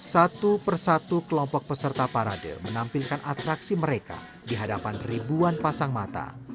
satu persatu kelompok peserta parader menampilkan atraksi mereka di hadapan ribuan pasang mata